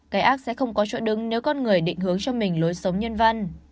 cái ác sẽ không có chỗ đứng nếu con người định hướng cho mình lối sống nhân văn